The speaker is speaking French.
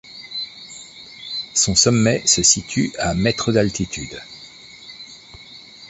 Son sommet se situe à mètres d'altitude.